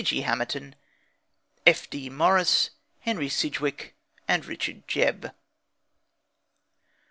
G. Hamerton, F.D. Maurice, Henry Sidgwick, and Richard Jebb.